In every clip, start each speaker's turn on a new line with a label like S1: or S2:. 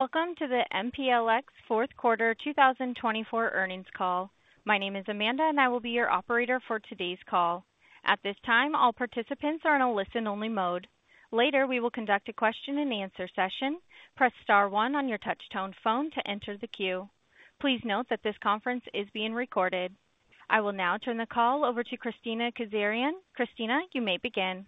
S1: Welcome to the MPLX fourth quarter 2024 earnings call. My name is Amanda, and I will be your operator for today's call. At this time, all participants are in a listen-only mode. Later, we will conduct a question-and-answer session. Press star one on your touch-tone phone to enter the queue. Please note that this conference is being recorded. I will now turn the call over to Kristina Kazarian. Kristina, you may begin.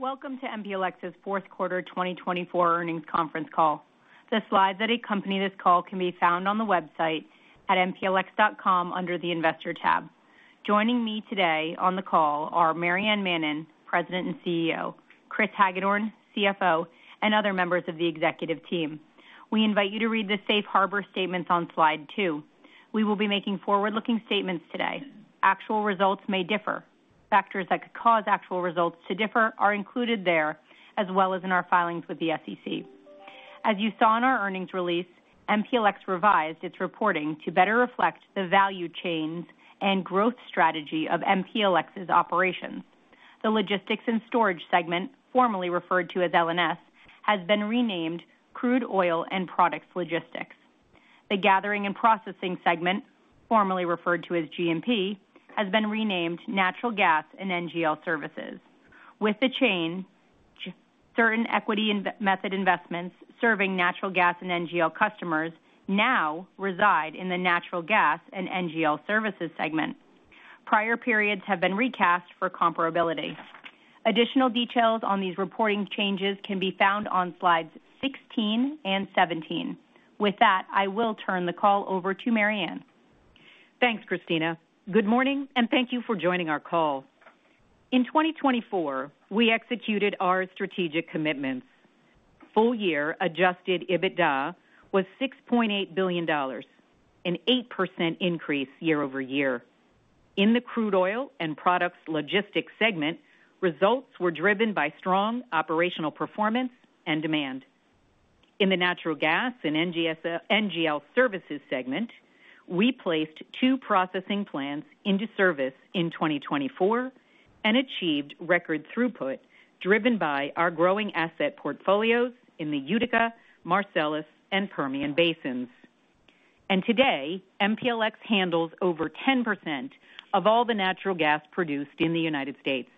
S2: Welco to MPLX's fourth quarter 2024 earnings conference call. The slides that accompany this call can be found on the website at mplx.com under the investor tab. Joining me today on the call are Maryann Mannen, President and CEO; Kris Hagedorn, CFO; and other members of the executive team. We invite you to read the safe harbor statements on slide two. We will be making forward-looking statements today. Actual results may differ. Factors that could cause actual results to differ are included there, as well as in our filings with the SEC. As you saw in our earnings release, MPLX revised its reporting to better reflect the value chains and growth strategy of MPLX's operations. The Logistics & Storage segment, formerly referred to as L&S, has been renamed Crude Oil & Products Logistics. The Gathering & Processing segment, formerly referred to as G&P, has been renamed Natural Gas & NGL Services. With the change, certain equity method investments serving Natural Gas & NGL customers now reside in the Natural Gas & NGL Services segment. Prior periods have been recast for comparability. Additional details on these reporting changes can be found on slides 16 and 17. With that, I will turn the call over to Maryann.
S3: Thanks, Kristina. Good morning, and thank you for joining our call. In 2024, we executed our strategic commitments. Full-year adjusted EBITDA was $6.8 billion, an 8% increase year-over-year. In the Crude Oil & Products Logistics segment, results were driven by strong operational performance and demand. In the Natural Gas & NGL Services segment, we placed two processing plants into service in 2024 and achieved record throughput driven by our growing asset portfolios in the Utica, Marcellus, and Permian basins. And today, MPLX handles over 10% of all the natural gas produced in the United States.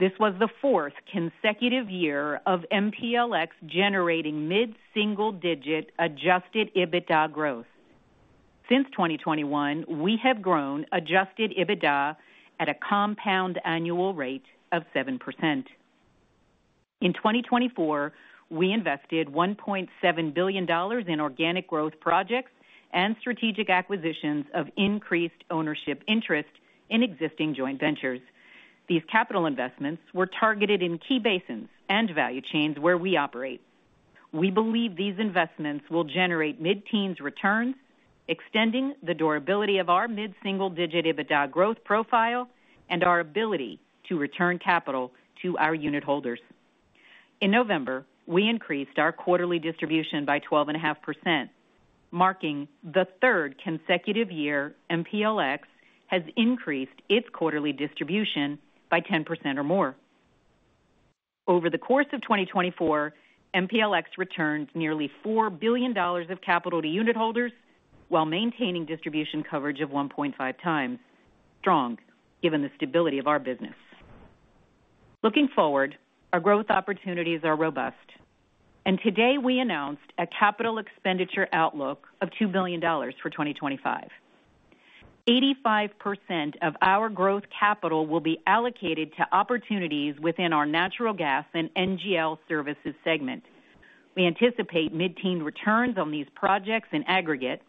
S3: This was the fourth consecutive year of MPLX generating mid-single-digit adjusted EBITDA growth. Since 2021, we have grown adjusted EBITDA at a compound annual rate of 7%. In 2024, we invested $1.7 billion in organic growth projects and strategic acquisitions of increased ownership interest in existing joint ventures. These capital investments were targeted in key basins and value chains where we operate. We believe these investments will generate mid-teens returns, extending the durability of our mid-single-digit EBITDA growth profile and our ability to return capital to our unit holders. In November, we increased our quarterly distribution by 12.5%, marking the third consecutive year MPLX has increased its quarterly distribution by 10% or more. Over the course of 2024, MPLX returned nearly $4 billion of capital to unit holders while maintaining distribution coverage of 1.5x, strong given the stability of our business. Looking forward, our growth opportunities are robust, and today we announced a capital expenditure outlook of $2 billion for 2025. 85% of our growth capital will be allocated to opportunities within our Natural Gas & NGL Services segment. We anticipate mid-teens returns on these projects in aggregate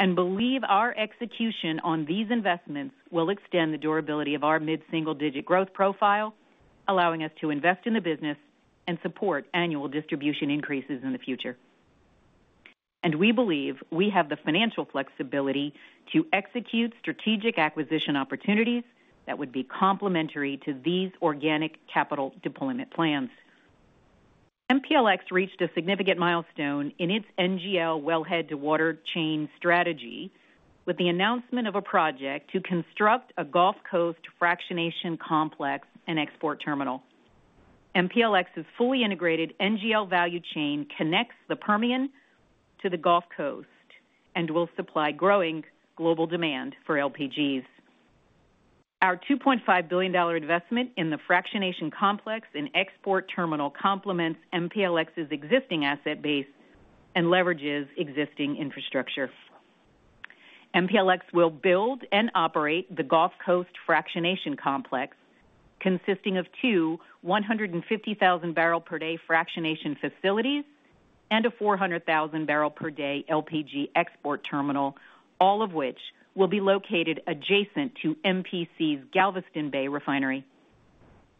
S3: and believe our execution on these investments will extend the durability of our mid-single-digit growth profile, allowing us to invest in the business and support annual distribution increases in the future. We believe we have the financial flexibility to execute strategic acquisition opportunities that would be complementary to these organic capital deployment plans. MPLX reached a significant milestone in its NGL Wellhead To Water Chain strategy with the announcement of a project to construct a Gulf Coast Fractionation Complex and export terminal. MPLX's fully integrated NGL value chain connects the Permian to the Gulf Coast and will supply growing global demand for LPGs. Our $2.5 billion investment in the Fractionation Complex and export terminal complements MPLX's existing asset base and leverages existing infrastructure. MPLX will build and operate the Gulf Coast Fractionation Complex, consisting of two 150,000-barrel-per-day fractionation facilities and a 400,000-barrel-per-day LPG export terminal, all of which will be located adjacent to MPC's Galveston Bay refinery.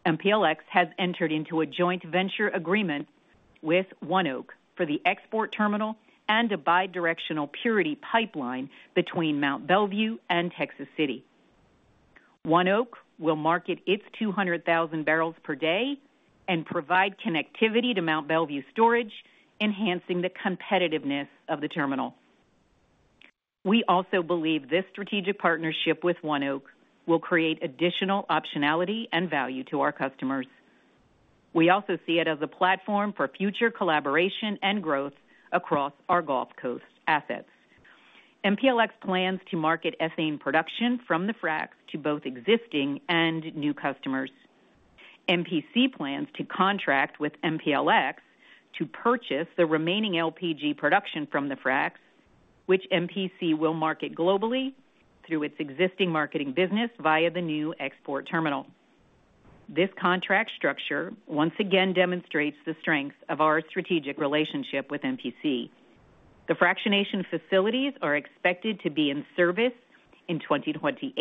S3: MPLX has entered into a joint venture agreement with ONEOK for the export terminal and a bidirectional purity pipeline between Mont Belvieu and Texas City. ONEOK will market its 200,000 barrels per day and provide connectivity to Mont Belvieu storage, enhancing the competitiveness of the terminal. We also believe this strategic partnership with ONEOK will create additional optionality and value to our customers. We also see it as a platform for future collaboration and growth across our Gulf Coast assets. MPLX plans to market ethane production from the frac to both existing and new customers. MPC plans to contract with MPLX to purchase the remaining LPG production from the frac, which MPC will market globally through its existing marketing business via the new export terminal. This contract structure once again demonstrates the strength of our strategic relationship with MPC. The fractionation facilities are expected to be in service in 2028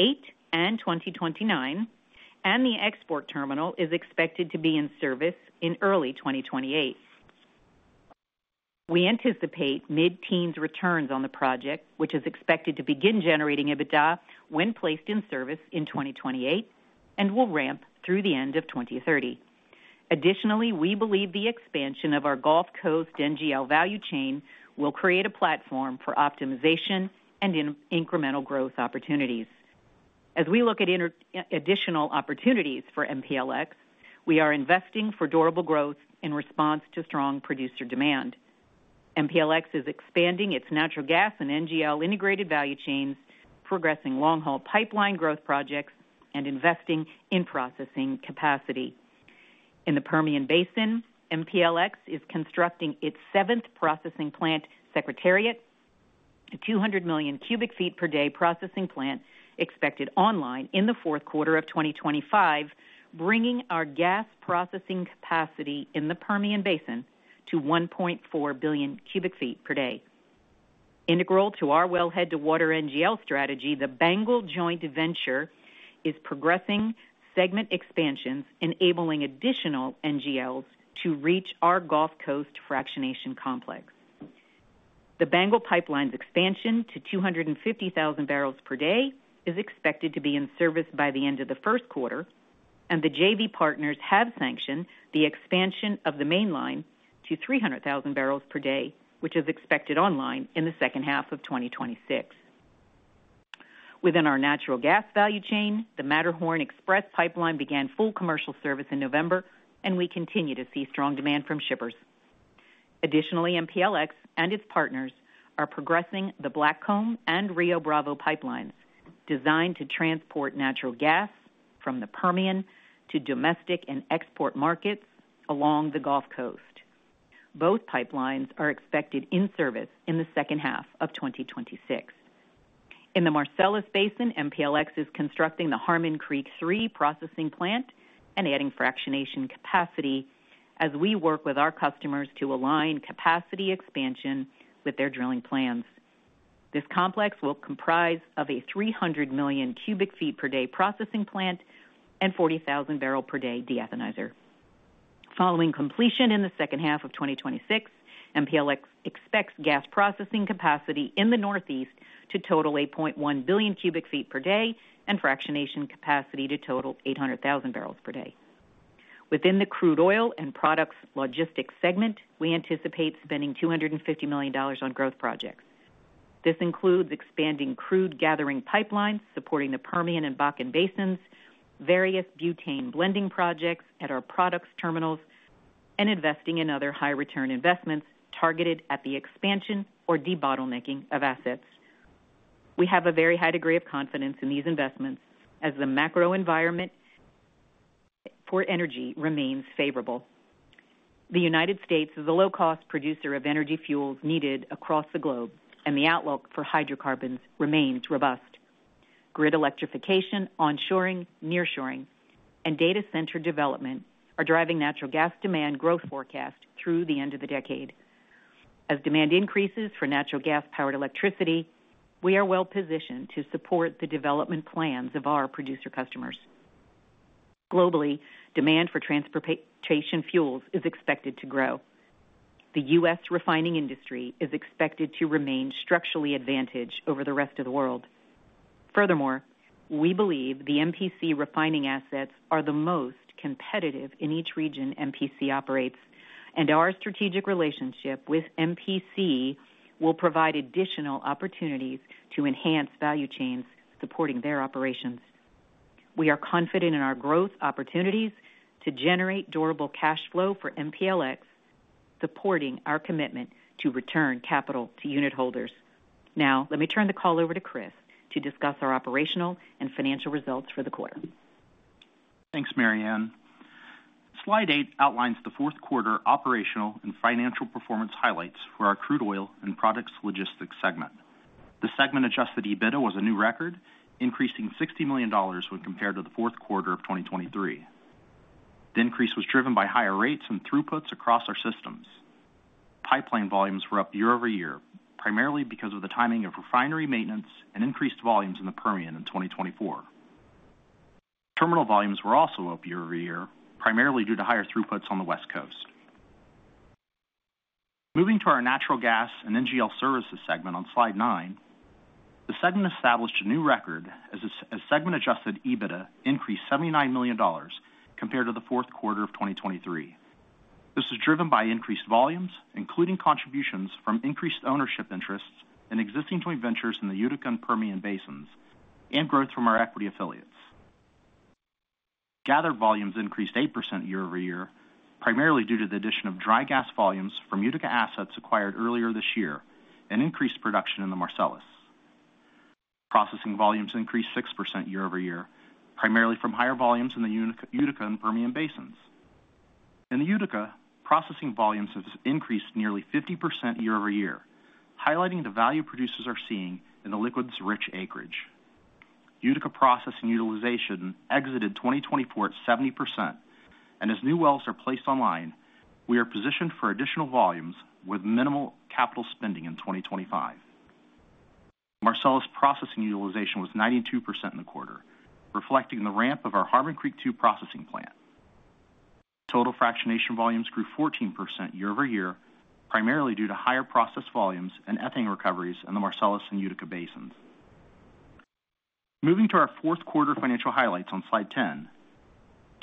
S3: and 2029, and the export terminal is expected to be in service in early 2028. We anticipate mid-teens returns on the project, which is expected to begin generating EBITDA when placed in service in 2028 and will ramp through the end of 2030. Additionally, we believe the expansion of our Gulf Coast NGL value chain will create a platform for optimization and incremental growth opportunities. As we look at additional opportunities for MPLX, we are investing for durable growth in response to strong producer demand. MPLX is expanding its Natural Gas & NGL integrated value chains, progressing long-haul pipeline growth projects, and investing in processing capacity. In the Permian basin, MPLX is constructing its seventh processing plant Secretariat, a 200 million cu ft per day processing plant expected online in the fourth quarter of 2025, bringing our gas processing capacity in the Permian basin to 1.4 billion cu ft per day. Integral to our Wellhead To Water NGL strategy, the BANGL joint venture is progressing segment expansions, enabling additional NGLs to reach our Gulf Coast Fractionation Complex. The BANGL pipeline's expansion to 250,000 barrels per day is expected to be in service by the end of the first quarter, and the JV partners have sanctioned the expansion of the main line to 300,000 barrels per day, which is expected online in the second half of 2026. Within our natural gas value chain, the Matterhorn Express pipeline began full commercial service in November, and we continue to see strong demand from shippers. Additionally, MPLX and its partners are progressing the Blackcomb and Rio Bravo pipelines designed to transport natural gas from the Permian to domestic and export markets along the Gulf Coast. Both pipelines are expected in service in the second half of 2026. In the Marcellus basin, MPLX is constructing the Harmon Creek 3 processing plant and adding fractionation capacity as we work with our customers to align capacity expansion with their drilling plans. This complex will comprise of a 300 million cu ft per day processing plant and 40,000 barrels per day de-ethanizer. Following completion in the second half of 2026, MPLX expects gas processing capacity in the Northeast to total 8.1 billion cu ft per day and fractionation capacity to total 800,000 barrels per day. Within the Crude Oil & Products Logistics segment, we anticipate spending $250 million on growth projects. This includes expanding crude gathering pipelines supporting the Permian and Bakken basins, various butane blending projects at our products terminals, and investing in other high-return investments targeted at the expansion or debottlenecking of assets. We have a very high degree of confidence in these investments as the macro environment for energy remains favorable. The United States is a low-cost producer of energy fuels needed across the globe, and the outlook for hydrocarbons remains robust. Grid electrification, onshoring, nearshoring, and data center development are driving natural gas demand growth forecasts through the end of the decade. As demand increases for natural gas-powered electricity, we are well-positioned to support the development plans of our producer customers. Globally, demand for transportation fuels is expected to grow. The U.S. refining industry is expected to remain structurally advantaged over the rest of the world. Furthermore, we believe the MPC refining assets are the most competitive in each region MPC operates, and our strategic relationship with MPC will provide additional opportunities to enhance value chains supporting their operations. We are confident in our growth opportunities to generate durable cash flow for MPLX, supporting our commitment to return capital to unit holders. Now, let me turn the call over to Kris to discuss our operational and financial results for the quarter.
S4: Thanks, Maryann. Slide eight outlines the fourth quarter operational and financial performance highlights for our Crude Oil & Products Logistics segment. The segment adjusted EBITDA was a new record, increasing $60 million when compared to the fourth quarter of 2023. The increase was driven by higher rates and throughputs across our systems. Pipeline volumes were up year-over-year, primarily because of the timing of refinery maintenance and increased volumes in the Permian in 2024. Terminal volumes were also up year-over-year, primarily due to higher throughputs on the West Coast. Moving to our Natural Gas & NGL Services segment on slide nine, the segment established a new record as segment adjusted EBITDA increased $79 million compared to the fourth quarter of 2023. This was driven by increased volumes, including contributions from increased ownership interests in existing joint ventures in the Utica and Permian basins, and growth from our equity affiliates. Gathered volumes increased 8% year-over-year, primarily due to the addition of dry gas volumes from Utica assets acquired earlier this year and increased production in the Marcellus. Processing volumes increased 6% year-over-year, primarily from higher volumes in the Utica and Permian basins. In the Utica, processing volumes have increased nearly 50% year-over-year, highlighting the value producers are seeing in the liquids-rich acreage. Utica processing utilization exited 2024 at 70%, and as new wells are placed online, we are positioned for additional volumes with minimal capital spending in 2025. Marcellus processing utilization was 92% in the quarter, reflecting the ramp of our Harmon Creek 2 processing plant. Total fractionation volumes grew 14% year-over-year, primarily due to higher processing volumes and ethane recoveries in the Marcellus and Utica basins. Moving to our fourth quarter financial highlights on slide ten,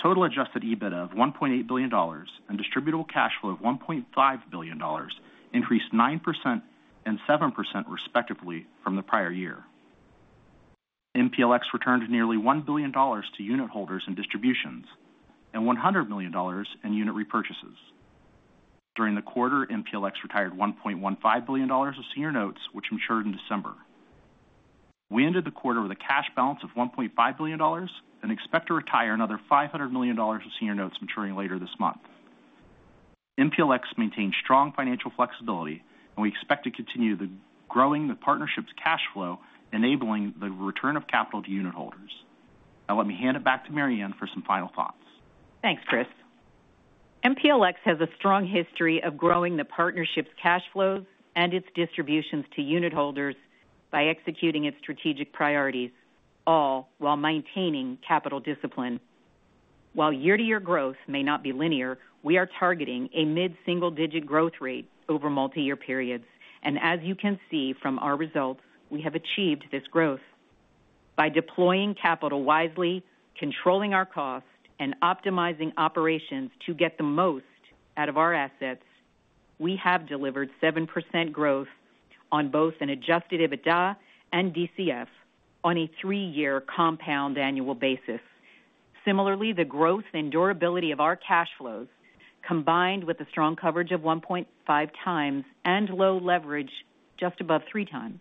S4: total adjusted EBITDA of $1.8 billion and distributable cash flow of $1.5 billion increased 9% and 7% respectively from the prior year. MPLX returned nearly $1 billion to unit holders and distributions and $100 million in unit repurchases. During the quarter, MPLX retired $1.15 billion of senior notes, which matured in December. We ended the quarter with a cash balance of $1.5 billion and expect to retire another $500 million of senior notes maturing later this month. MPLX maintained strong financial flexibility, and we expect to continue growing the partnership's cash flow, enabling the return of capital to unit holders. Now, let me hand it back to Maryann for some final thoughts.
S3: Thanks, Kris. MPLX has a strong history of growing the partnership's cash flows and its distributions to unit holders by executing its strategic priorities, all while maintaining capital discipline. While year-to-year growth may not be linear, we are targeting a mid-single-digit growth rate over multi-year periods. And as you can see from our results, we have achieved this growth. By deploying capital wisely, controlling our cost, and optimizing operations to get the most out of our assets, we have delivered 7% growth on both an adjusted EBITDA and DCF on a three-year compound annual basis. Similarly, the growth and durability of our cash flows, combined with the strong coverage of 1.5 times and low leverage just above three times,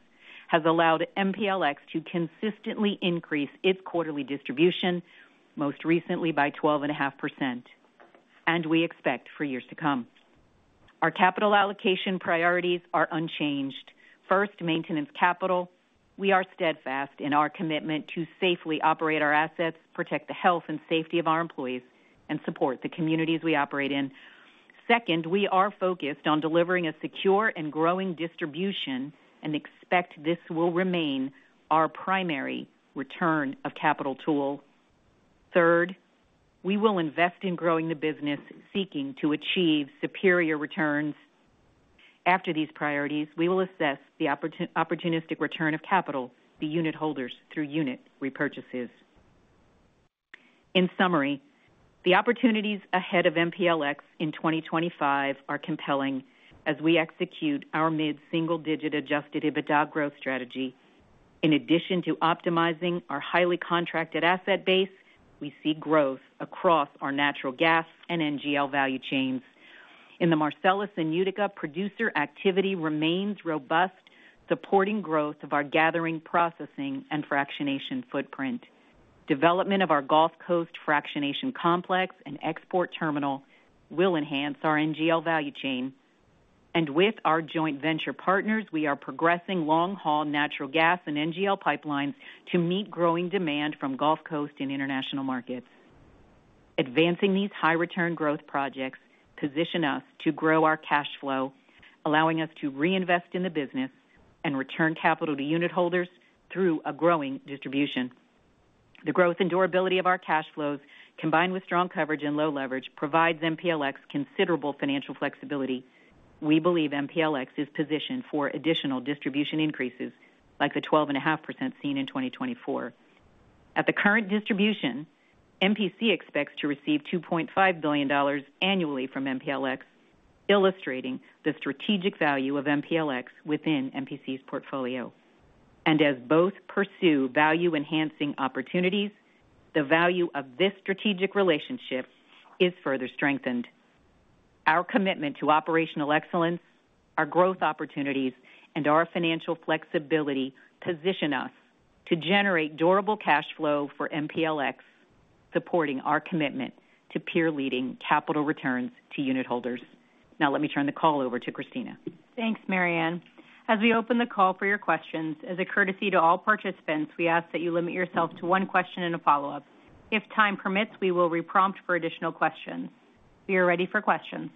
S3: has allowed MPLX to consistently increase its quarterly distribution, most recently by 12.5%, and we expect for years to come. Our capital allocation priorities are unchanged. First, maintenance capital. We are steadfast in our commitment to safely operate our assets, protect the health and safety of our employees, and support the communities we operate in. Second, we are focused on delivering a secure and growing distribution and expect this will remain our primary return of capital tool. Third, we will invest in growing the business, seeking to achieve superior returns. After these priorities, we will assess the opportunistic return of capital to unit holders through unit repurchases. In summary, the opportunities ahead of MPLX in 2025 are compelling as we execute our mid-single-digit adjusted EBITDA growth strategy. In addition to optimizing our highly contracted asset base, we see growth across our Natural Gas & NGL value chains. In the Marcellus and Utica, producer activity remains robust, supporting growth of our gathering, processing, and fractionation footprint. Development of our Gulf Coast fractionation complex and export terminal will enhance our NGL value chain. With our joint venture partners, we are progressing long-haul Natural Gas & NGL pipelines to meet growing demand from Gulf Coast and international markets. Advancing these high-return growth projects positions us to grow our cash flow, allowing us to reinvest in the business and return capital to unit holders through a growing distribution. The growth and durability of our cash flows, combined with strong coverage and low leverage, provides MPLX considerable financial flexibility. We believe MPLX is positioned for additional distribution increases, like the 12.5% seen in 2024. At the current distribution, MPC expects to receive $2.5 billion annually from MPLX, illustrating the strategic value of MPLX within MPC's portfolio. As both pursue value-enhancing opportunities, the value of this strategic relationship is further strengthened. Our commitment to operational excellence, our growth opportunities, and our financial flexibility position us to generate durable cash flow for MPLX, supporting our commitment to peer-leading capital returns to unit holders. Now, let me turn the call over to Kristina.
S2: Thanks, Maryann. As we open the call for your questions, as a courtesy to all participants, we ask that you limit yourself to one question and a follow-up. If time permits, we will reprompt for additional questions. We are ready for questions.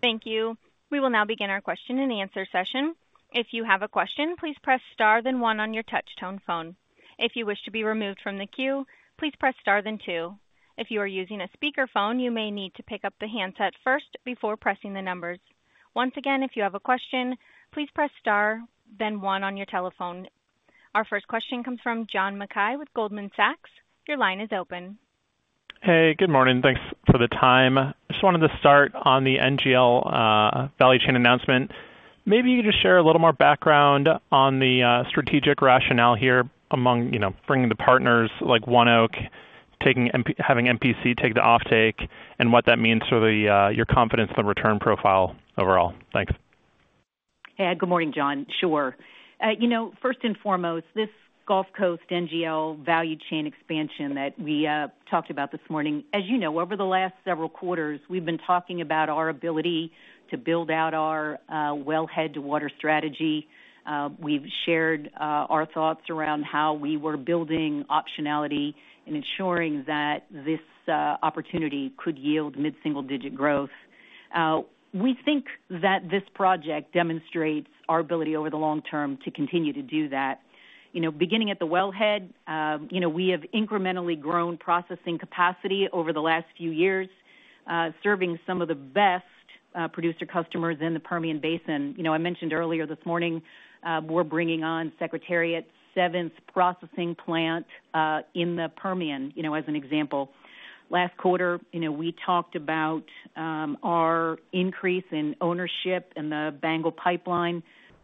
S1: Thank you. We will now begin our question-and-answer session. If you have a question, please press star then one on your touch-tone phone. If you wish to be removed from the queue, please press star then two. If you are using a speakerphone, you may need to pick up the handset first before pressing the numbers. Once again, if you have a question, please press star then one on your telephone. Our first question comes from John Mackay with Goldman Sachs. Your line is open.
S5: Hey, good morning. Thanks for the time. Just wanted to start on the NGL value chain announcement. Maybe you could just share a little more background on the strategic rationale here among bringing the partners like ONEOK, having MPC take the off-take, and what that means for your confidence in the return profile overall. Thanks.
S3: Good morning, John. Sure. You know, first and foremost, this Gulf Coast NGL value chain expansion that we talked about this morning, as you know, over the last several quarters, we've been talking about our ability to build out our Wellhead To Water strategy. We've shared our thoughts around how we were building optionality and ensuring that this opportunity could yield mid-single-digit growth. We think that this project demonstrates our ability over the long term to continue to do that. Beginning at the Wellhead, we have incrementally grown processing capacity over the last few years, serving some of the best producer customers in the Permian basin. I mentioned earlier this morning, we're bringing on Secretariat, seventh processing plant in the Permian, as an example. Last quarter, we talked about our increase in ownership in the BANGL pipeline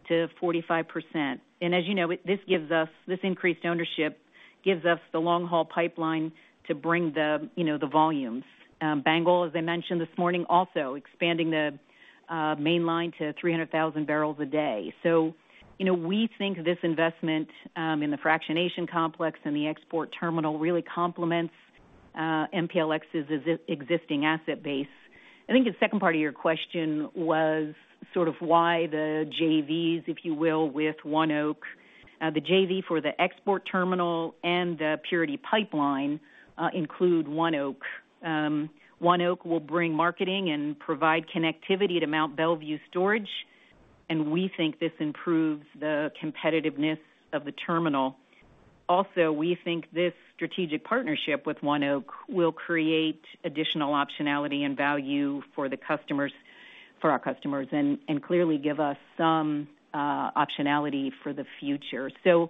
S3: to 45%. And as you know, this increased ownership gives us the long-haul pipeline to bring the volumes. BANGL, as I mentioned this morning, also expanding the main line to 300,000 barrels a day. So we think this investment in the fractionation complex and the export terminal really complements MPLX's existing asset base. I think the second part of your question was sort of why the JVs, if you will, with ONEOK. The JV for the export terminal and the purity pipeline include ONEOK. ONEOK will bring marketing and provide connectivity to Mont Belvieu storage, and we think this improves the competitiveness of the terminal. Also, we think this strategic partnership with ONEOK will create additional optionality and value for our customers and clearly give us some optionality for the future. So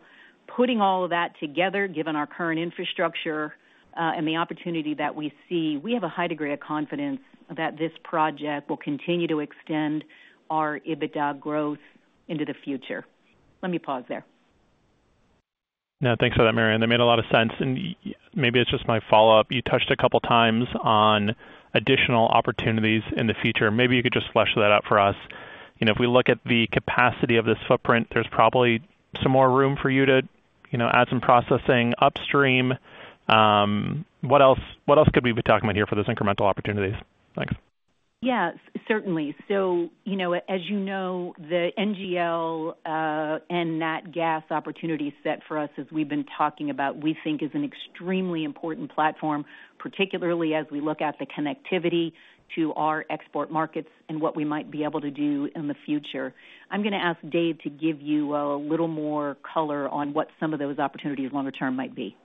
S3: putting all of that together, given our current infrastructure and the opportunity that we see, we have a high degree of confidence that this project will continue to extend our EBITDA growth into the future. Let me pause there.
S5: Yeah, thanks for that, Maryann. That made a lot of sense. And maybe it's just my follow-up. You touched a couple of times on additional opportunities in the future. Maybe you could just flesh that out for us. If we look at the capacity of this footprint, there's probably some more room for you to add some processing upstream. What else could we be talking about here for those incremental opportunities? Thanks.
S3: Yeah, certainly. So as you know, the NGL and that gas opportunity set for us, as we've been talking about, we think is an extremely important platform, particularly as we look at the connectivity to our export markets and what we might be able to do in the future. I'm going to ask Dave to give you a little more color on what some of those opportunities longer term might be.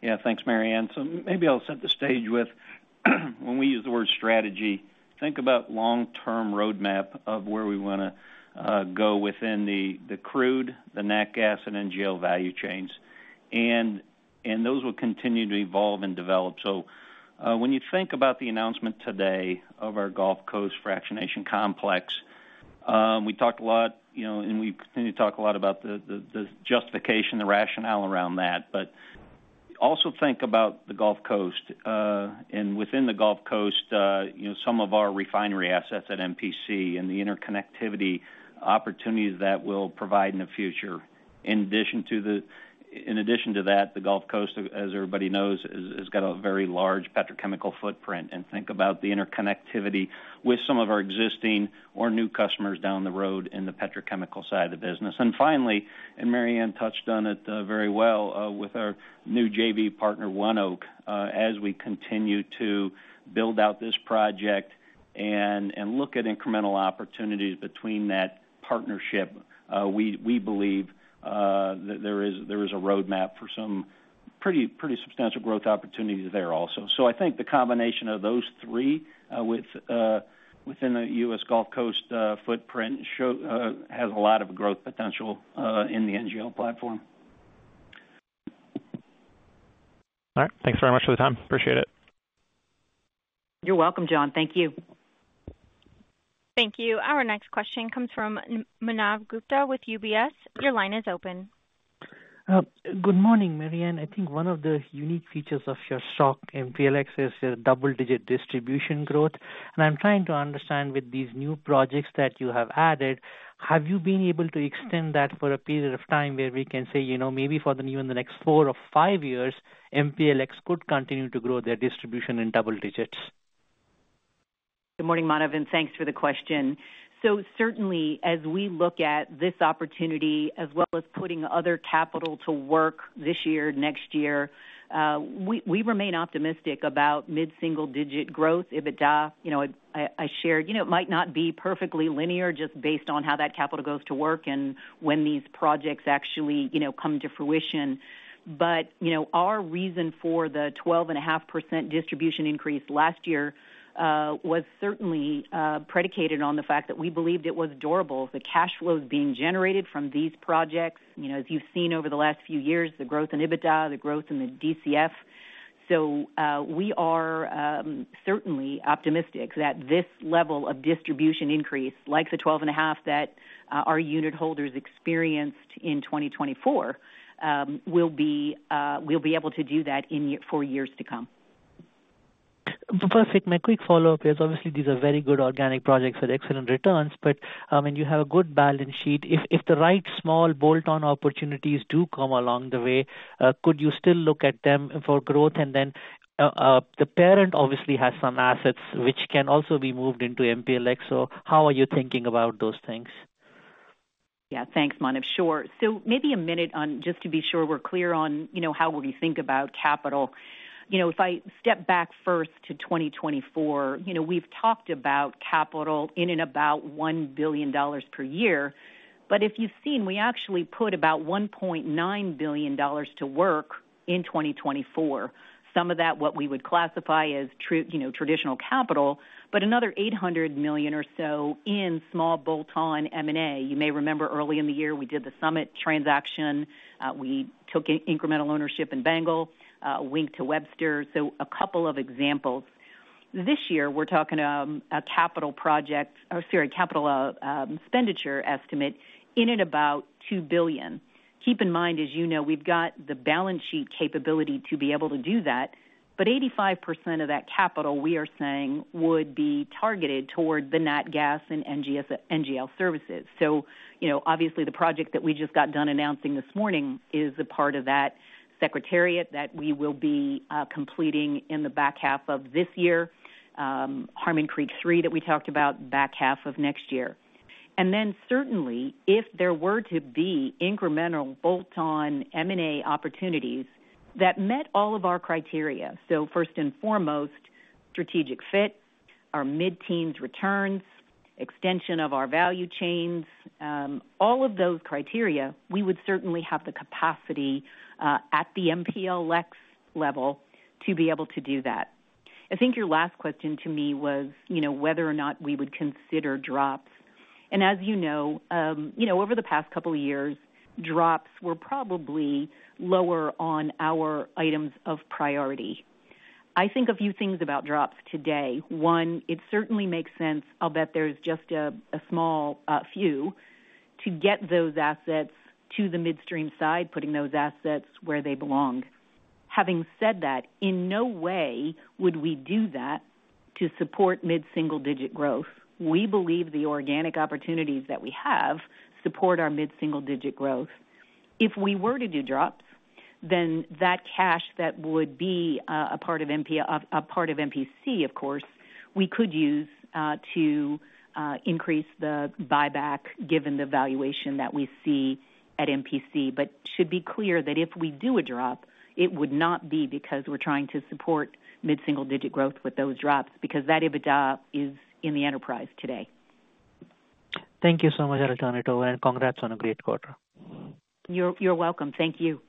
S6: Yeah, thanks, Maryann. So maybe I'll set the stage with, when we use the word strategy, think about a long-term roadmap of where we want to go within the crude, the natural gas, and NGL value chains. And those will continue to evolve and develop. So when you think about the announcement today of our Gulf Coast fractionation complex, we talked a lot, and we continue to talk a lot about the justification, the rationale around that. But also think about the Gulf Coast. And within the Gulf Coast, some of our refinery assets at MPC and the interconnectivity opportunities that we'll provide in the future. In addition to that, the Gulf Coast, as everybody knows, has got a very large petrochemical footprint. And think about the interconnectivity with some of our existing or new customers down the road in the petrochemical side of the business. And finally, and Maryann touched on it very well with our new JV partner, ONEOK, as we continue to build out this project and look at incremental opportunities between that partnership, we believe that there is a roadmap for some pretty substantial growth opportunities there also. So I think the combination of those three within the U.S. Gulf Coast footprint has a lot of growth potential in the NGL platform.
S5: All right. Thanks very much for the time. Appreciate it.
S3: You're welcome, John. Thank you.
S1: Thank you. Our next question comes from Manav Gupta with UBS. Your line is open.
S7: Good morning, Maryann. I think one of the unique features of your stock, MPLX, is your double-digit distribution growth. And I'm trying to understand with these new projects that you have added, have you been able to extend that for a period of time where we can say, maybe for the new and the next four or five years, MPLX could continue to grow their distribution in double digits?
S3: Good morning, Manav, and thanks for the question. So certainly, as we look at this opportunity, as well as putting other capital to work this year, next year, we remain optimistic about mid-single-digit growth, EBITDA. I shared it might not be perfectly linear just based on how that capital goes to work and when these projects actually come to fruition. But our reason for the 12.5% distribution increase last year was certainly predicated on the fact that we believed it was durable, the cash flows being generated from these projects, as you've seen over the last few years, the growth in EBITDA, the growth in the DCF. So we are certainly optimistic that this level of distribution increase, like the 12.5% that our unit holders experienced in 2024, we'll be able to do that for years to come.
S7: Perfect. My quick follow-up is, obviously, these are very good organic projects with excellent returns. But when you have a good balance sheet, if the right small bolt-on opportunities do come along the way, could you still look at them for growth? And then the parent obviously has some assets which can also be moved into MPLX. So how are you thinking about those things?
S3: Yeah, thanks, Manav. Sure. So maybe a minute on just to be sure we're clear on how we think about capital. If I step back first to 2024, we've talked about capital in and about $1 billion per year. But if you've seen, we actually put about $1.9 billion to work in 2024. Some of that, what we would classify as traditional capital, but another $800 million or so in small bolt-on M&A. You may remember early in the year, we did the Summit transaction. We took incremental ownership in BANGL, Wink to Webster. So a couple of examples. This year, we're talking a capital project, or sorry, capital expenditure estimate in and about $2 billion. Keep in mind, as you know, we've got the balance sheet capability to be able to do that. But 85% of that capital, we are saying, would be targeted toward the Natural Gas & NGL Services. So obviously, the project that we just got done announcing this morning is a part of that Secretariat that we will be completing in the back half of this year, Harmon Creek 3 that we talked about, back half of next year. And then certainly, if there were to be incremental bolt-on M&A opportunities that met all of our criteria, so first and foremost, strategic fit, our mid-teens returns, extension of our value chains, all of those criteria, we would certainly have the capacity at the MPLX level to be able to do that. I think your last question to me was whether or not we would consider drops. And as you know, over the past couple of years, drops were probably lower on our items of priority. I think a few things about drops today. One, it certainly makes sense, albeit there's just a small few, to get those assets to the midstream side, putting those assets where they belong. Having said that, in no way would we do that to support mid-single-digit growth. We believe the organic opportunities that we have support our mid-single-digit growth. If we were to do drops, then that cash that would be a part of MPC, of course, we could use to increase the buyback given the valuation that we see at MPC. But it should be clear that if we do a drop, it would not be because we're trying to support mid-single-digit growth with those drops because that EBITDA is in the enterprise today.
S7: Thank you so much, I'll turn it over and congrats on a great quarter.
S3: You're welcome. Thank you.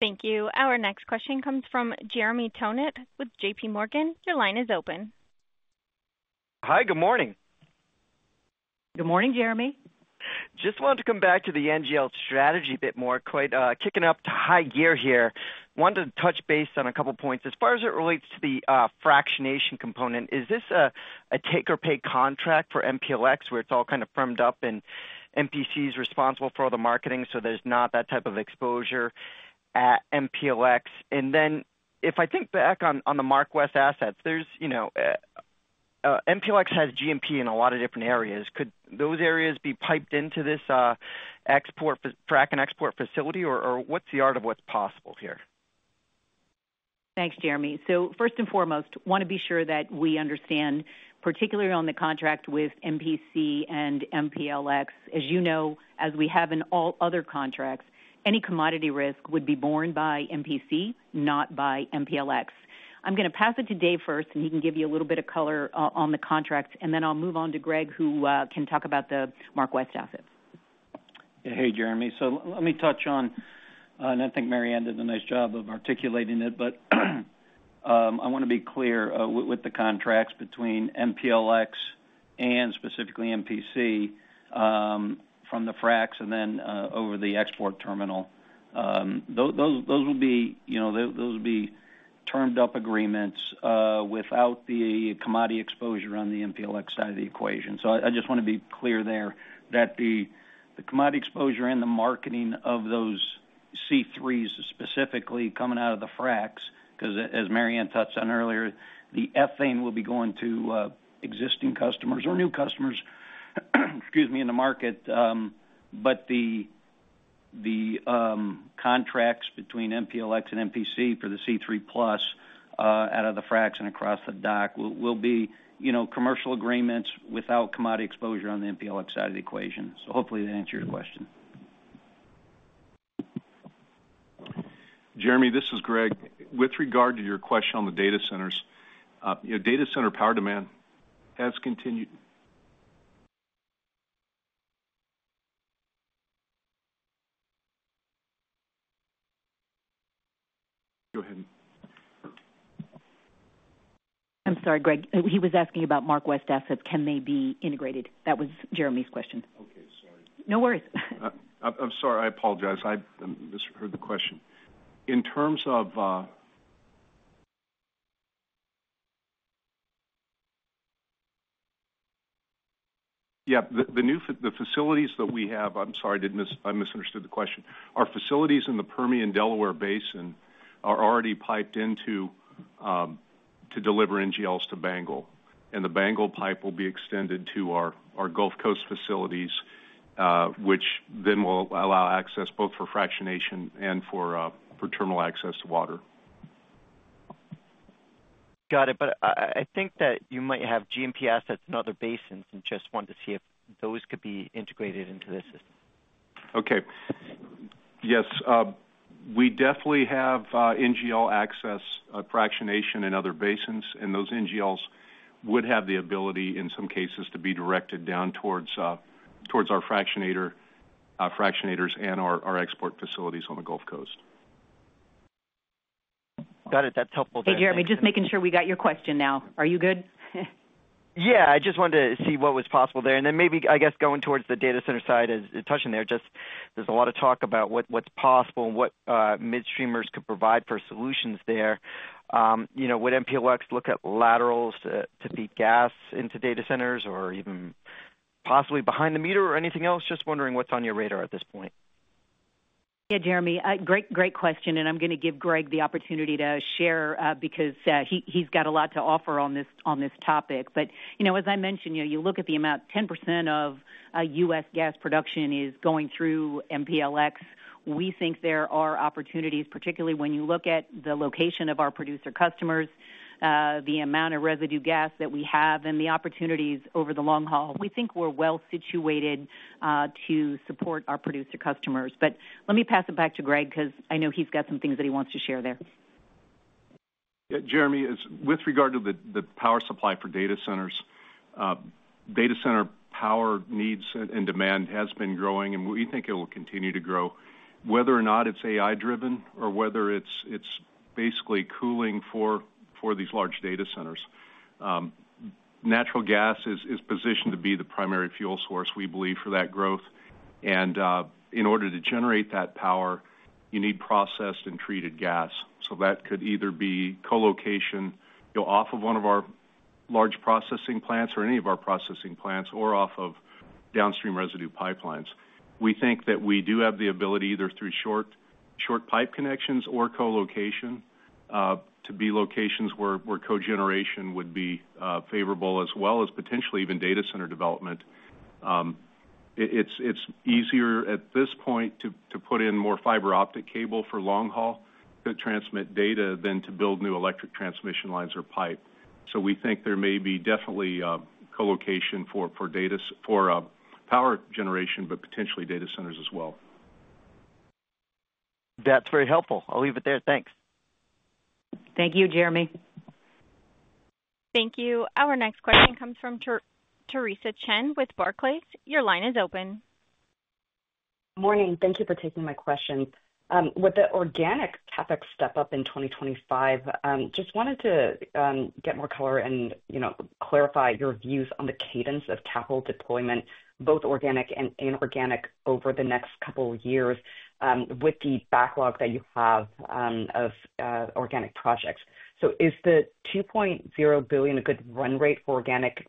S1: Thank you. Our next question comes from Jeremy Tonet with JPMorgan. Your line is open.
S8: Hi, good morning.
S3: Good morning, Jeremy.
S8: Just wanted to come back to the NGL strategy a bit more. Kicking up to high gear here. Wanted to touch base on a couple of points. As far as it relates to the fractionation component, is this a take-or-pay contract for MPLX where it's all kind of firmed up and MPC is responsible for all the marketing, so there's not that type of exposure at MPLX? And then if I think back on the MarkWest assets, MPLX has G&P in a lot of different areas. Could those areas be piped into this frac and export facility, or what's the art of the possible here?
S3: Thanks, Jeremy. So first and foremost, want to be sure that we understand, particularly on the contract with MPC and MPLX, as you know, as we have in all other contracts, any commodity risk would be borne by MPC, not by MPLX. I'm going to pass it to Dave first, and he can give you a little bit of color on the contracts, and then I'll move on to Greg, who can talk about the MarkWest assets.
S6: Hey, Jeremy. So let me touch on, and I think Maryann did a nice job of articulating it, but I want to be clear with the contracts between MPLX and specifically MPC from the fracs and then over the export terminal. Those will be termed up agreements without the commodity exposure on the MPLX side of the equation. So I just want to be clear there that the commodity exposure and the marketing of those C3s specifically coming out of the fracs, because as Maryann touched on earlier, the ethane will be going to existing customers or new customers, excuse me, in the market. But the contracts between MPLX and MPC for the C3 plus out of the fracs and across the dock will be commercial agreements without commodity exposure on the MPLX side of the equation. So hopefully that answers your question.
S9: Jeremy, this is Greg. With regard to your question on the data centers, data center power demand has continued. Go ahead.
S3: I'm sorry, Greg. He was asking about MarkWest assets. Can they be integrated? That was Jeremy's question.
S9: Okay, sorry.
S3: No worries.
S9: I'm sorry. I apologize. I misheard the question. In terms of, yeah, the facilities that we have, I'm sorry, I misunderstood the question. Our facilities in the Permian-Delaware Basin are already piped into to deliver NGLs to BANGL. And the BANGL pipe will be extended to our Gulf Coast facilities, which then will allow access both for fractionation and for terminal access to water.
S8: Got it, but I think that you might have G&P assets in other basins and just wanted to see if those could be integrated into this system.
S9: Okay. Yes. We definitely have NGL access, fractionation in other basins, and those NGLs would have the ability, in some cases, to be directed down towards our fractionators and our export facilities on the Gulf Coast.
S8: Got it. That's helpful.
S3: Hey, Jeremy, just making sure we got your question now. Are you good?
S8: Yeah. I just wanted to see what was possible there, and then maybe, I guess, going towards the data center side, as you're touching there, just there's a lot of talk about what's possible and what midstreamers could provide for solutions there. Would MPLX look at laterals to feed gas into data centers or even possibly behind the meter or anything else? Just wondering what's on your radar at this point.
S3: Yeah, Jeremy. Great question. And I'm going to give Greg the opportunity to share because he's got a lot to offer on this topic. But as I mentioned, you look at the amount, 10% of U.S. gas production is going through MPLX. We think there are opportunities, particularly when you look at the location of our producer customers, the amount of residue gas that we have, and the opportunities over the long haul. We think we're well situated to support our producer customers. But let me pass it back to Greg because I know he's got some things that he wants to share there.
S9: Jeremy, with regard to the power supply for data centers, data center power needs and demand has been growing, and we think it will continue to grow. Whether or not it's AI-driven or whether it's basically cooling for these large data centers, natural gas is positioned to be the primary fuel source, we believe, for that growth. And in order to generate that power, you need processed and treated gas. So that could either be colocation off of one of our large processing plants or any of our processing plants or off of downstream residue pipelines. We think that we do have the ability either through short pipe connections or colocation to be locations where cogeneration would be favorable, as well as potentially even data center development. It's easier at this point to put in more fiber optic cable for long haul to transmit data than to build new electric transmission lines or pipe. So we think there may be definitely colocation for power generation, but potentially data centers as well.
S8: That's very helpful. I'll leave it there. Thanks.
S3: Thank you, Jeremy.
S1: Thank you. Our next question comes from Theresa Chen with Barclays. Your line is open.
S10: Good morning. Thank you for taking my question. With the organic CapEx step up in 2025, just wanted to get more color and clarify your views on the cadence of capital deployment, both organic and inorganic, over the next couple of years with the backlog that you have of organic projects. So is the $2.0 billion a good run rate for organic,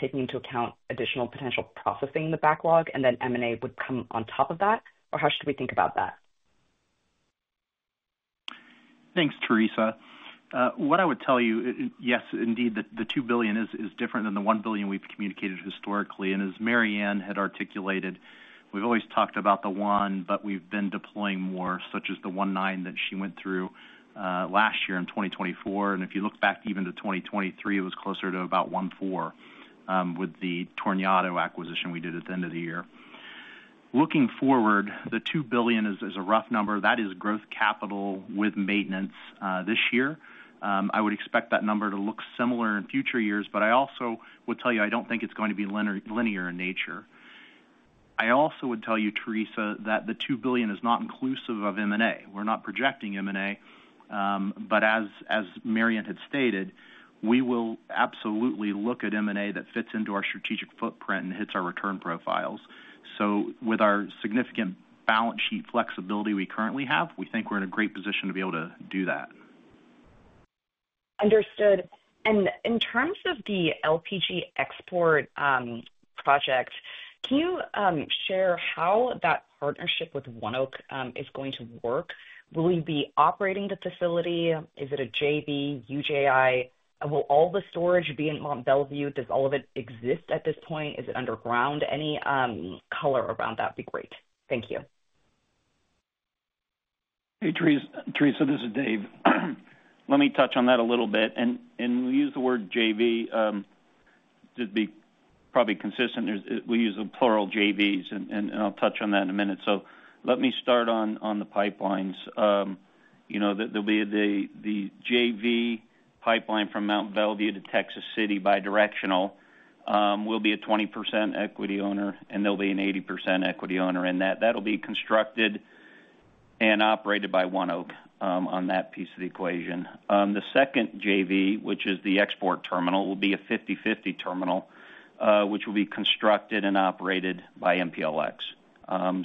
S10: taking into account additional potential processing in the backlog, and then M&A would come on top of that? Or how should we think about that?
S4: Thanks, Theresa. What I would tell you, yes, indeed, the $2 billion is different than the $1 billion we've communicated historically. And as Maryann had articulated, we've always talked about the $1 billion, but we've been deploying more, such as the $1.9 billion that she went through last year in 2024. And if you look back even to 2023, it was closer to about $1.4 billion with the Torñado acquisition we did at the end of the year. Looking forward, the $2 billion is a rough number. That is growth capital with maintenance this year. I would expect that number to look similar in future years. But I also would tell you, I don't think it's going to be linear in nature. I also would tell you, Theresa, that the $2 billion is not inclusive of M&A. We're not projecting M&A. But as Maryann had stated, we will absolutely look at M&A that fits into our strategic footprint and hits our return profiles. So with our significant balance sheet flexibility we currently have, we think we're in a great position to be able to do that.
S10: Understood, and in terms of the LPG export project, can you share how that partnership with ONEOK is going to work? Will you be operating the facility? Is it a JV, JI? Will all the storage be in Mont Belvieu? Does all of it exist at this point? Is it underground? Any color around that would be great. Thank you.
S6: Hey, Theresa. This is Dave. Let me touch on that a little bit, and we use the word JV to be probably consistent. We use the plural JVs, and I'll touch on that in a minute, so let me start on the pipelines. There'll be the JV pipeline from Mont Belvieu to Texas City, bidirectional. We'll be a 20% equity owner, and there'll be an 80% equity owner, and that'll be constructed and operated by ONEOK on that piece of the equation. The second JV, which is the export terminal, will be a 50/50 terminal, which will be constructed and operated by MPLX,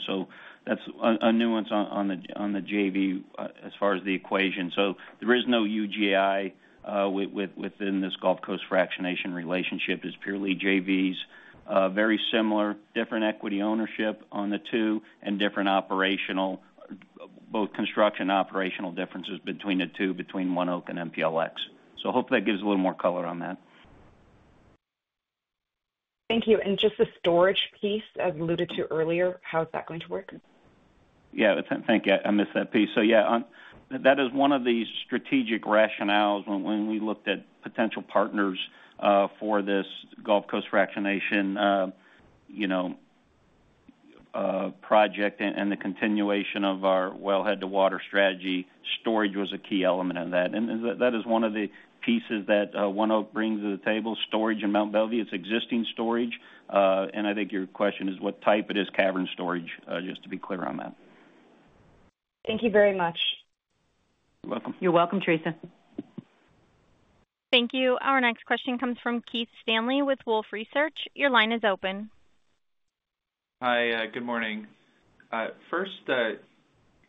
S6: so that's a nuance on the JV as far as the equation, so there is no equity within this Gulf Coast fractionation relationship. It's purely JVs. Very similar, different equity ownership on the two, and different operational, both construction and operational differences between the two between ONEOK and MPLX. So hopefully that gives a little more color on that.
S10: Thank you and just the storage piece, as alluded to earlier, how is that going to work?
S6: Yeah. Thank you. I missed that piece. So yeah, that is one of the strategic rationales when we looked at potential partners for this Gulf Coast fractionation project and the continuation of our Wellhead to water strategy. Storage was a key element of that. And that is one of the pieces that ONEOK brings to the table, storage in Mont Belvieu, its existing storage. And I think your question is what type it is, cavern storage, just to be clear on that.
S10: Thank you very much.
S6: You're welcome.
S3: You're welcome, Theresa.
S1: Thank you. Our next question comes from Keith Stanley with Wolfe Research. Your line is open.
S11: Hi. Good morning. First,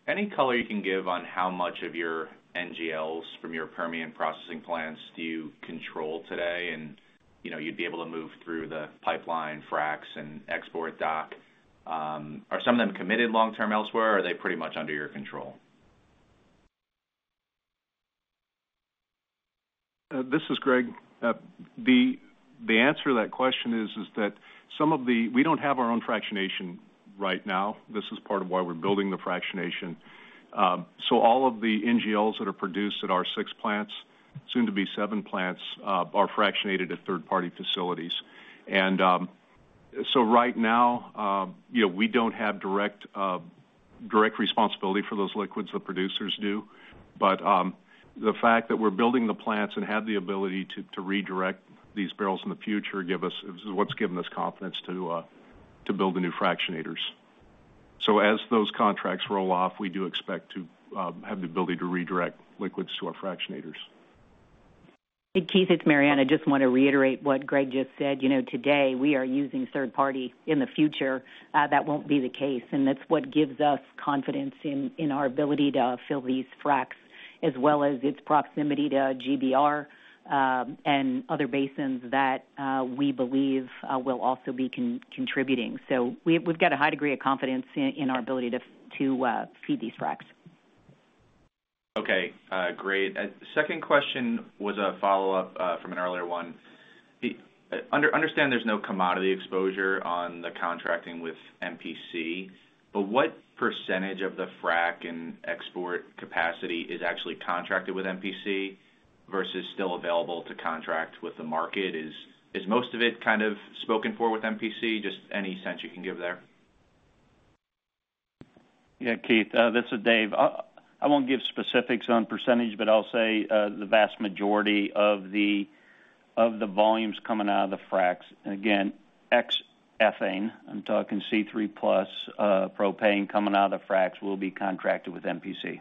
S11: any color you can give on how much of your NGLs from your Permian processing plants do you control today? And you'd be able to move through the pipeline, fracs, and export dock. Are some of them committed long-term elsewhere, or are they pretty much under your control?
S9: This is Greg. The answer to that question is that we don't have our own fractionation right now. This is part of why we're building the fractionation. All of the NGLs that are produced at our six plants, soon to be seven plants, are fractionated at third-party facilities. And so right now, we don't have direct responsibility for those liquids. The producers do. But the fact that we're building the plants and have the ability to redirect these barrels in the future is what's given us confidence to build the new fractionators. As those contracts roll off, we do expect to have the ability to redirect liquids to our fractionators.
S3: Hey, Keith, it's Maryann. I just want to reiterate what Greg just said. Today, we are using third-party. In the future, that won't be the case. And that's what gives us confidence in our ability to fill these fracs, as well as its proximity to GBR and other basins that we believe will also be contributing. So we've got a high degree of confidence in our ability to feed these fracs.
S11: Okay. Great. Second question was a follow-up from an earlier one. Understand there's no commodity exposure on the contracting with MPC, but what percentage of the frac and export capacity is actually contracted with MPC versus still available to contract with the market? Is most of it kind of spoken for with MPC? Just any sense you can give there.
S6: Yeah, Keith, this is Dave. I won't give specifics on percentage, but I'll say the vast majority of the volumes coming out of the fracs, again, ex-ethane, I'm talking C3 plus propane coming out of the fracs, will be contracted with MPC.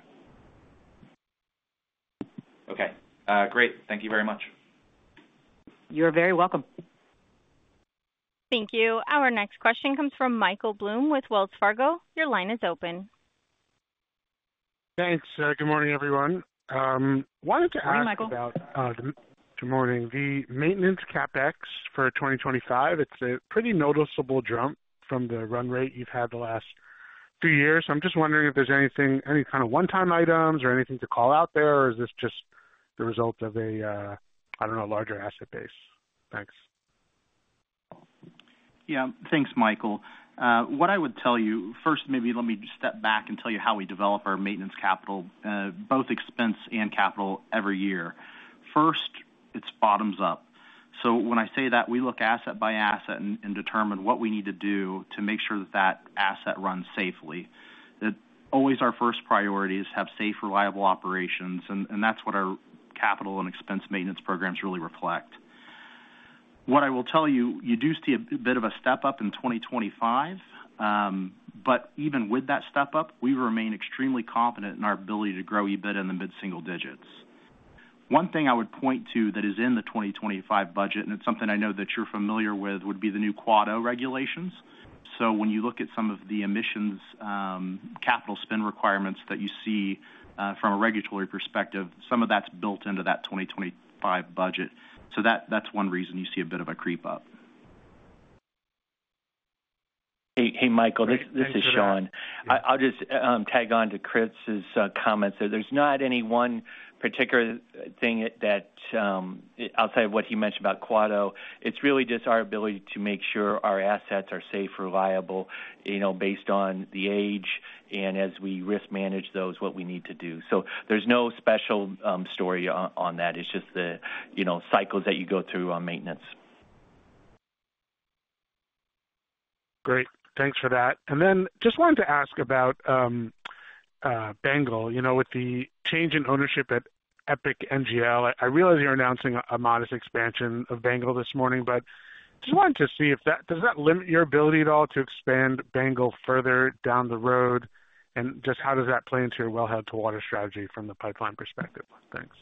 S11: Okay. Great. Thank you very much.
S3: You're very welcome.
S1: Thank you. Our next question comes from Michael Blum with Wells Fargo. Your line is open.
S12: Thanks. Good morning, everyone. Wanted to ask about.
S3: Hi, Michael.
S12: Good morning. The maintenance CapEx for 2025, it's a pretty noticeable jump from the run rate you've had the last few years. I'm just wondering if there's any kind of one-time items or anything to call out there, or is this just the result of a, I don't know, larger asset base? Thanks.
S4: Yeah. Thanks, Michael. What I would tell you, first, maybe let me step back and tell you how we develop our maintenance capital, both expense and capital every year. First, it's bottoms up. So when I say that, we look asset by asset and determine what we need to do to make sure that that asset runs safely. Always our first priority is to have safe, reliable operations. And that's what our capital and expense maintenance programs really reflect. What I will tell you, you do see a bit of a step up in 2025. But even with that step up, we remain extremely confident in our ability to grow EBITDA in the mid-single digits. One thing I would point to that is in the 2025 budget, and it's something I know that you're familiar with, would be the new Quad O regulations. So when you look at some of the emissions CapEx requirements that you see from a regulatory perspective, some of that's built into that 2025 budget. So that's one reason you see a bit of a creep up.
S13: Hey, Michael. This is Shawn. I'll just tag on to Kris's comments. There's not any one particular thing outside of what he mentioned about Quad O. It's really just our ability to make sure our assets are safe, reliable, based on the age, and as we risk manage those, what we need to do. So there's no special story on that. It's just the cycles that you go through on maintenance.
S12: Great. Thanks for that. And then just wanted to ask about BANGL. With the change in ownership at EPIC NGL, I realize you're announcing a modest expansion of BANGL this morning, but just wanted to see if that does that limit your ability at all to expand BANGL further down the road? And just how does that play into your Wellhead To Water strategy from the pipeline perspective? Thanks.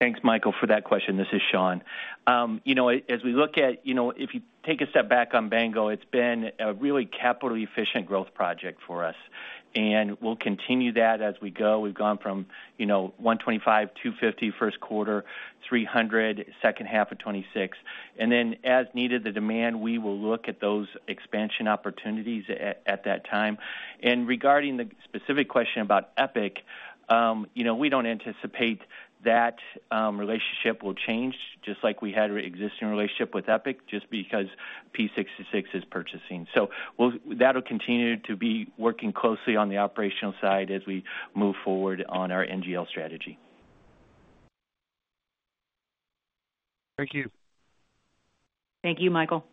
S13: Thanks, Michael, for that question. This is Shawn. As we look at if you take a step back on BANGL, it's been a really capital-efficient growth project for us. And we'll continue that as we go. We've gone from 125, 250 first quarter, 300 second half of 2026. And then as needed, the demand, we will look at those expansion opportunities at that time. And regarding the specific question about EPIC, we don't anticipate that relationship will change, just like we had our existing relationship with EPIC, just because P66 is purchasing. So that'll continue to be working closely on the operational side as we move forward on our NGL strategy.
S12: Thank you.
S3: Thank you, Michael.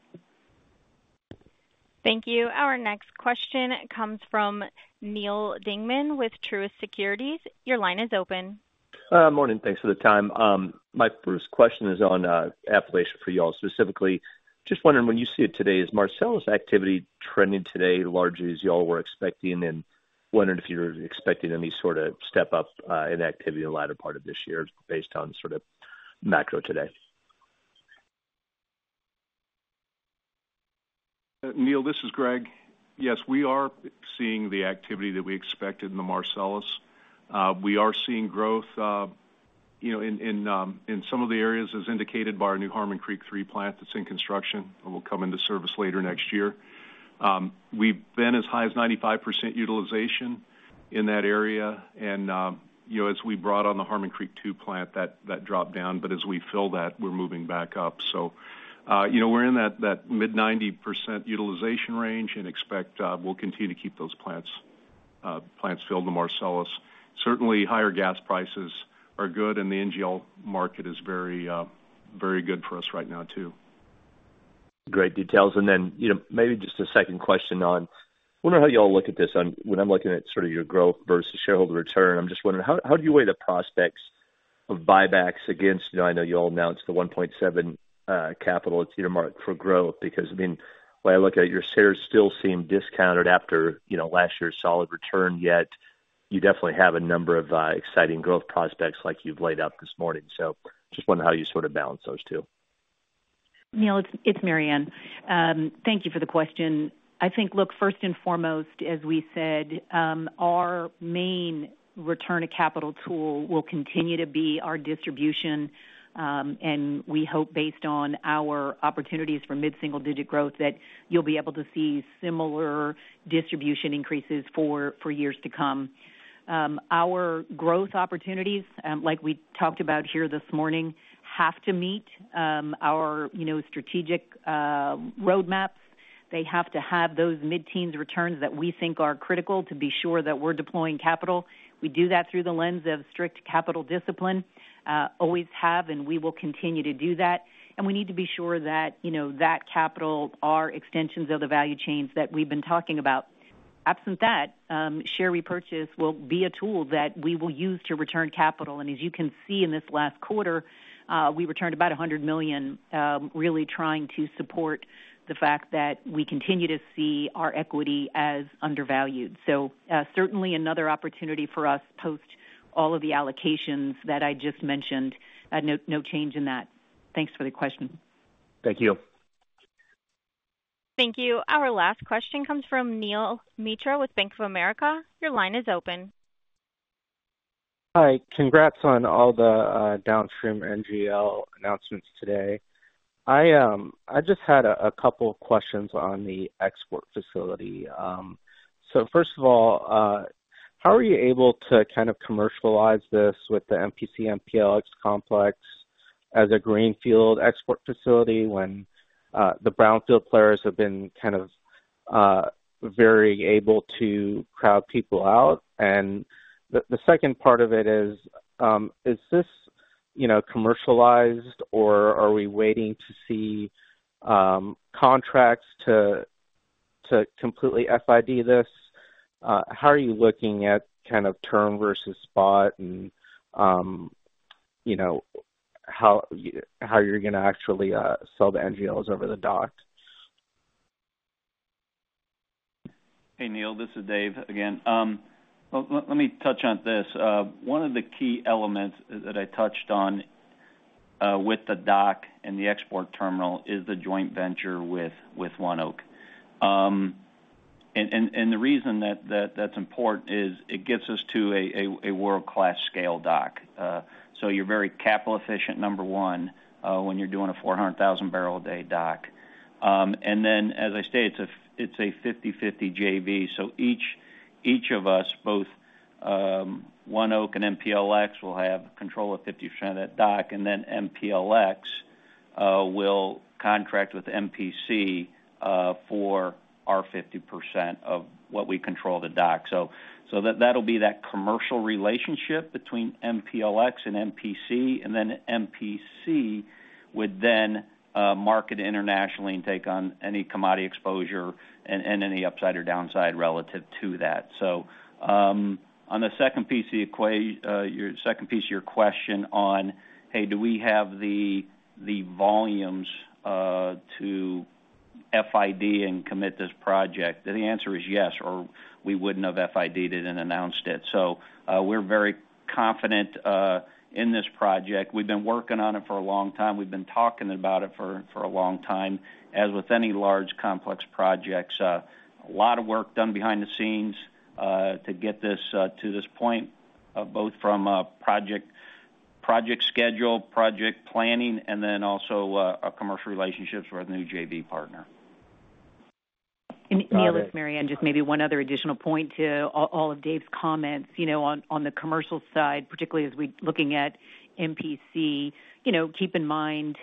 S1: Thank you. Our next question comes from Neal Dingman with Truist Securities. Your line is open.
S14: Morning. Thanks for the time. My first question is on affiliation for y'all specifically. Just wondering, when you see it today, is Marcellus activity trending today largely as y'all were expecting, and wondering if you're expecting any sort of step-up in activity in the latter part of this year based on sort of macro today?
S9: Neal, this is Greg. Yes, we are seeing the activity that we expected in the Marcellus. We are seeing growth in some of the areas as indicated by our new Harmon Creek 3 plant that's in construction and will come into service later next year. We've been as high as 95% utilization in that area, and as we brought on the Harmon Creek 2 plant, that dropped down, but as we fill that, we're moving back up, so we're in that mid-90% utilization range and expect we'll continue to keep those plants filled in the Marcellus. Certainly, higher gas prices are good, and the NGL market is very good for us right now too.
S14: Great details. And then maybe just a second question on. I wonder how y'all look at this. When I'm looking at sort of your growth versus shareholder return, I'm just wondering, how do you weigh the prospects of buybacks against, I know y'all announced the $1.7 billion CapEx at Cedar Mark for growth because, I mean, when I look at your shares still seem discounted after last year's solid return, yet you definitely have a number of exciting growth prospects like you've laid out this morning. So just wondering how you sort of balance those two.
S3: Neal, it's Maryann. Thank you for the question. I think, look, first and foremost, as we said, our main return of capital tool will continue to be our distribution. And we hope, based on our opportunities for mid-single digit growth, that you'll be able to see similar distribution increases for years to come. Our growth opportunities, like we talked about here this morning, have to meet our strategic roadmaps. They have to have those mid-teens returns that we think are critical to be sure that we're deploying capital. We do that through the lens of strict capital discipline. Always have, and we will continue to do that. And we need to be sure that that capital are extensions of the value chains that we've been talking about. Absent that, share repurchase will be a tool that we will use to return capital. As you can see in this last quarter, we returned about $100 million, really trying to support the fact that we continue to see our equity as undervalued. Certainly another opportunity for us post all of the allocations that I just mentioned. No change in that. Thanks for the question.
S14: Thank you.
S1: Thank you. Our last question comes from Neel Mitra with Bank of America. Your line is open.
S15: Hi. Congrats on all the downstream NGL announcements today. I just had a couple of questions on the export facility. So first of all, how are you able to kind of commercialize this with the MPC, MPLX complex as a greenfield export facility when the brownfield players have been kind of very able to crowd people out? And the second part of it is, is this commercialized, or are we waiting to see contracts to completely FID this? How are you looking at kind of term versus spot and how you're going to actually sell the NGLs over the dock?
S6: Hey, Neel. This is Dave again. Let me touch on this. One of the key elements that I touched on with the dock and the export terminal is the joint venture with ONEOK. And the reason that that's important is it gets us to a world-class scale dock. So you're very capital-efficient, number one, when you're doing a 400,000-barrel-a-day dock. And then, as I stated, it's a 50/50 JV. So each of us, both ONEOK and MPLX, will have control of 50% of that dock. And then MPLX will contract with MPC for our 50% of what we control the dock. So that'll be that commercial relationship between MPLX and MPC. And then MPC would then market internationally and take on any commodity exposure and any upside or downside relative to that. So on the second piece of your question on, "Hey, do we have the volumes to FID and commit this project?" The answer is yes, or we wouldn't have FID'd it and announced it. So we're very confident in this project. We've been working on it for a long time. We've been talking about it for a long time. As with any large complex projects, a lot of work done behind the scenes to get this to this point, both from project schedule, project planning, and then also our commercial relationships with our new JV partner.
S3: Neel, this is Maryann. Just maybe one other additional point to all of Dave's comments on the commercial side, particularly as we're looking at MPC. Keep in mind,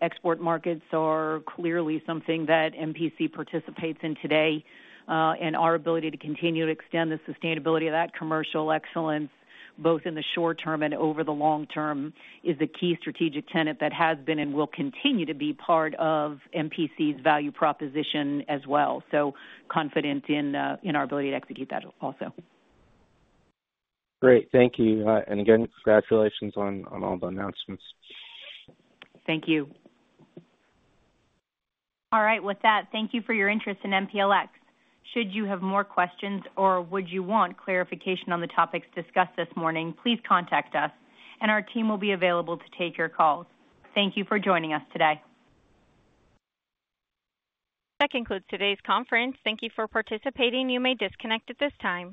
S3: export markets are clearly something that MPC participates in today, and our ability to continue to extend the sustainability of that commercial excellence, both in the short term and over the long term, is the key strategic tenet that has been and will continue to be part of MPC's value proposition as well, so confident in our ability to execute that also.
S15: Great. Thank you, and again, congratulations on all the announcements.
S3: Thank you.
S1: All right. With that, thank you for your interest in MPLX. Should you have more questions or would you want clarification on the topics discussed this morning, please contact us, and our team will be available to take your calls. Thank you for joining us today. That concludes today's conference. Thank you for participating. You may disconnect at this time.